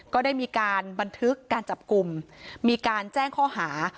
ก็ได้มีการบันทึกการจับกลุ่มมีการแจ้งข้อหา